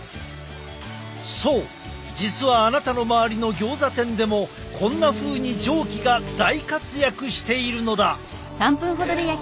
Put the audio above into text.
そう実はあなたの周りのギョーザ店でもこんなふうに蒸気が大活躍しているのだ！